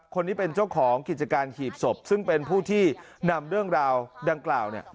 คนนี้เป็นเจ้าของกิจการหีบศพซึ่งเป็นผู้ที่นำเรื่องราวดังกล่าวเนี่ย